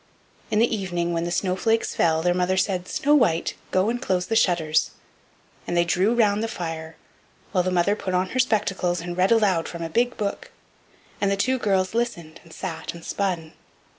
In the evening when the snowflakes fell their mother said: "Snow white, go and close the shutters," and they drew round the fire, while the mother put on her spectacles and read aloud from a big book and the two girls listened and sat and span.